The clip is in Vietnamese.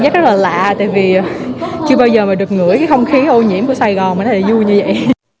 giác rất là lạ tại vì chưa bao giờ mà được ngửi cái không khí ô nhiễm của sài gòn mà thấy vui như vậy